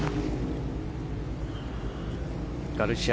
ガルシア